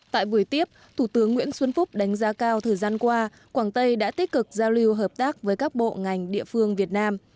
tại buổi tiếp thủ tướng nguyễn xuân phúc đánh giá cao thời gian qua quảng tây đã tích cực giao lưu hợp tác với các bộ ngành địa phương việt nam